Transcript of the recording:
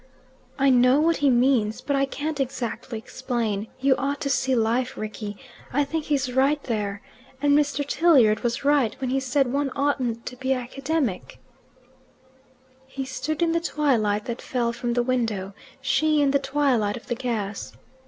"I know what he means, but I can't exactly explain. You ought to see life, Rickie. I think he's right there. And Mr. Tilliard was right when he said one oughtn't to be academic." He stood in the twilight that fell from the window, she in the twilight of the gas.